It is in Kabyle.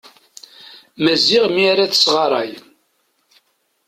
Maziɣ mi ara tesɣaray.